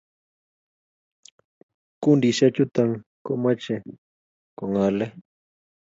kundishek chutok ko much ko ngalaee